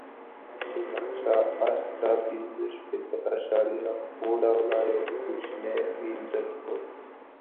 زما تومانچه استرا پنځه شپېته اعشاریه اوه ډوله یو کوچنی میل درلود.